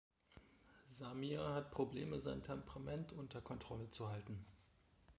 Samir hat Probleme, sein Temperament unter Kontrolle zu halten.